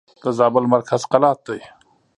د زابل مرکز قلات دئ.